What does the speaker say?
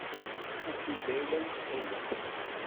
Efk-iyi-d ayla-w ttxil-m.